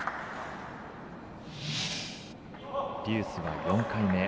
デュースが４回目。